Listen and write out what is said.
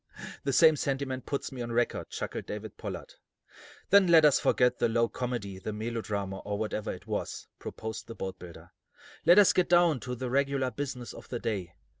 "The same sentiment puts me on record," chuckled David Pollard: "Then let us forget the low comedy, the melodrama, or whatever it was," proposed the boatbuilder. "Let us get down to the regular business of the day.